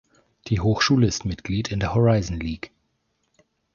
Die Hochschule ist Mitglied in der Horizon League.